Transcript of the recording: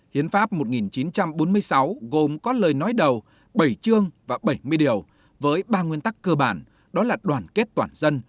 hiến pháp một nghìn chín trăm bốn mươi sáu gồm có lời nói đầu bảy chương và bảy mươi điều với ba nguyên tắc cơ bản đó là đoàn kết toàn dân